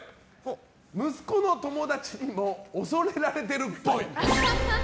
息子の友達にも恐れられてるっぽい。